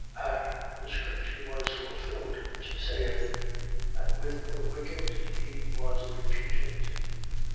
15:28. And the scripture was fulfilled, which saith: And with the wicked he was reputed.